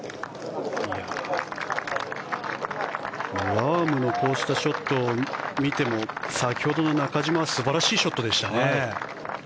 ラームのこうしたショットを見ても先ほどの中島は素晴らしいショットでしたね。